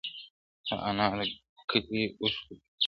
د انارکلي اوښکو ته؛!